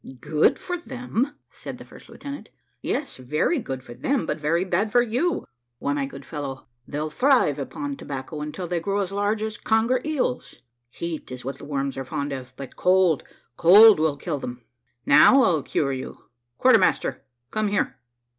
"Good for them!" said the first lieutenant; "yes, very good for them but very bad for you. Why, my good fellow, they'll thrive upon tobacco until they grow as large as conger eels. Heat is what the worms are fond of; but cold cold will kill them. Now I'll cure you. Quarter master, come here.